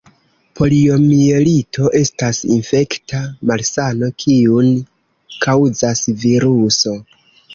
Poliomjelito estas infekta malsano, kiun kaŭzas viruso.